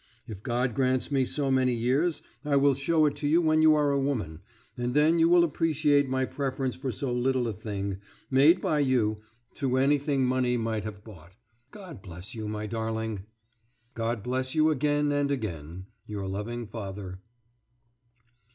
If God grants me so many years, I will show it you when you are a woman, and then you will appreciate my preference for so little a thing, made by you, to anything money might have bought. God bless you, my darling! ... God bless you again and again! Your loving father.